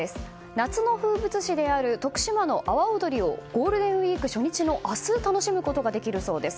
夏の風物詩である徳島の阿波踊りをゴールデンウィーク初日の明日楽しむことができるそうです。